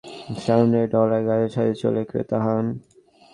বস্তিটির প্রায় প্রতিটি খুপরির সামনেই ডালায় গাঁজা সাজিয়ে চলে ক্রেতা আহ্বান।